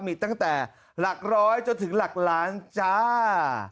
มีตั้งแต่หลักร้อยจนถึงหลักล้านจ้า